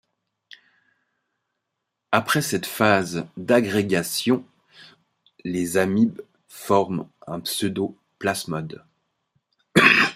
Après cette phase d'agrégation, les amibes forment un pseudo-plasmode.